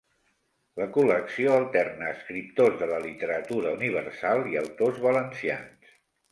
La col·lecció alterna escriptors de la literatura universal i autors valencians.